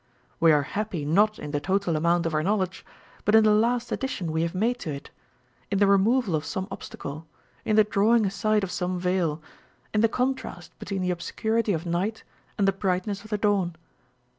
We are happy not in the total amount of our knowledge, but in the last addition we have made to it, in the removal of some obstacle, in the drawing aside of some veil, in the contrast between the obscurity of night and the brightness of the dawn.